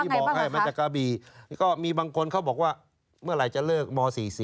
บอกให้มาจากกะบี่ก็มีบางคนเขาบอกว่าเมื่อไหร่จะเลิกม๔๔